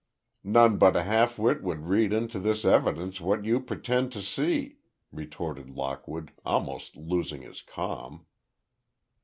"None but a half wit would read into this evidence what you pretend to see," retorted Lockwood, almost losing his calm.